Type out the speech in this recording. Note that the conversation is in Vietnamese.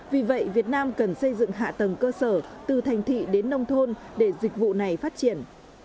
vì vậy việt nam cần xây dựng hạ tầng cơ sở từ thành thị đến nông thôn để dịch vụ này phát triển